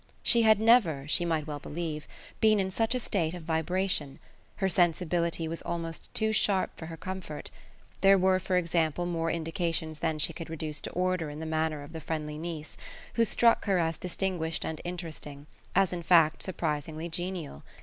She had never, she might well believe, been in such a state of vibration; her sensibility was almost too sharp for her comfort: there were for example more indications than she could reduce to order in the manner of the friendly niece, who struck her as distinguished and interesting, as in fact surprisingly genial.